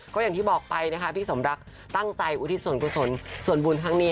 ก็อย่างที่บอกไปนะคะพี่สมรักตั้งใจอุทิศส่วนกุศลส่วนบุญครั้งนี้